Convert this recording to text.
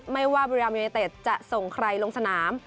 ไม่ว่าบริรามยังไงเตะจะส่งใครลงสนาม